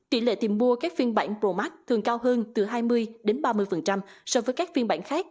tỷ lệ tìm mua các phiên bản pro max thường cao hơn từ hai mươi đến ba mươi so với các phiên bản khác